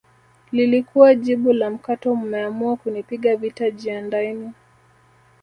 lilikuwa jibu la mkato mmeamua kunipiga vita jiandaeni